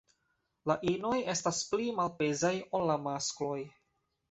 La inoj estas pli malpezaj ol la maskloj.